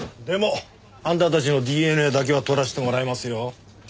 でもあんたたちのＤＮＡだけは採らせてもらいますよ。